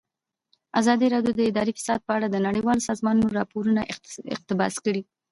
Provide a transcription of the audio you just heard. ازادي راډیو د اداري فساد په اړه د نړیوالو سازمانونو راپورونه اقتباس کړي.